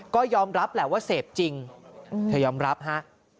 ก็ยอมรับแหละว่าเสพจริงเธอยอมรับฮะ